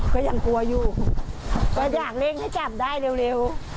ก็ยังกลัวอยู่ก็อยากเร่งให้จับได้เร็ว